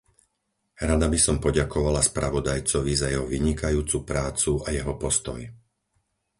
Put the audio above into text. Rada by som poďakovala spravodajcovi za jeho vynikajúcu prácu a jeho postoj.